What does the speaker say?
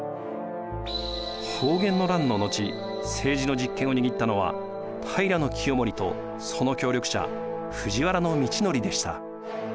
保元の乱の後政治の実権を握ったのは平清盛とその協力者藤原通憲でした。